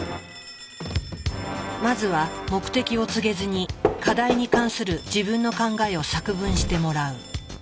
まずは目的を告げずに課題に関する自分の考えを作文してもらう。